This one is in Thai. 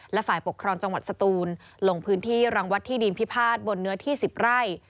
และฝ่ายปกครองจังหวัดสตูนลงพื้นที่รังวัดที่ดินพิพาทบนเนื้อที่๑๐ไร่